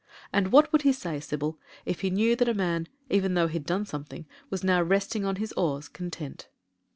And what would he say, Sybil, if he knew that a man, even though he'd done something, was now resting on his oars — content